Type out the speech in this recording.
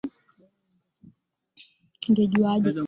Na ni mchezaji wa kwanza katika historia kushinda